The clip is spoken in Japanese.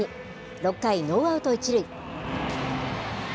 ６回ノーアウト１塁。